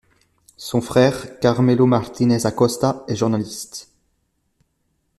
Son frère, Carmelo Martínez Acosta, est journaliste.